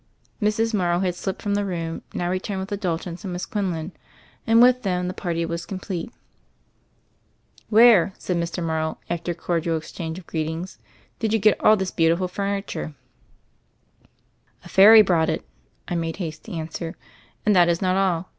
Mrs. Morrow, who had slipped from the room, now returned with the Daltons and Miss Quinlan ; and with them the party was complete. 2i8 THE FAIRY OF THE SNOWS "Where," said Mr. Morrow, after a cordial exchange of greetings, did you get all this beau tiful furniture?" "A fairy brought it," I made haste to answer, "And this is not all.